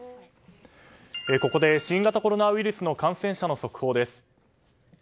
ここで新型コロナウイルスの感染者の速報です。